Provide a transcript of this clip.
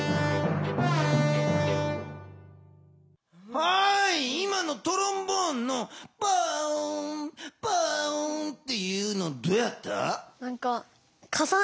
はい今のトロンボーンの「パオーンパオーン」っていうのどうやった？